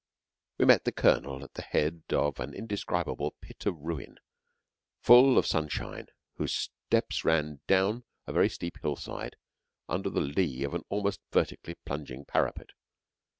We met the Colonel at the head of an indescribable pit of ruin, full of sunshine, whose steps ran down a very steep hillside under the lee of an almost vertically plunging parapet.